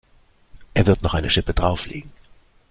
Er wird noch eine Schippe drauflegen.